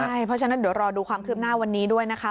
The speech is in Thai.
เพราะฉะนั้นเดี๋ยวรอดูความคืบหน้าวันนี้ด้วยนะคะ